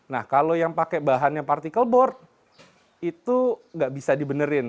nah kalau yang pakai bahannya partikel board itu nggak bisa dibenerin